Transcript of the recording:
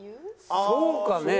そうかね？